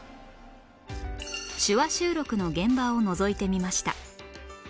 手話収録の現場をのぞいてみました